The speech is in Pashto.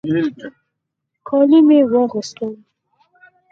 کالي مې واغوستل.